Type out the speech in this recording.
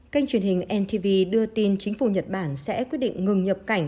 kênh truyền hình ntv đưa tin chính phủ nhật bản sẽ quyết định ngừng nhập cảnh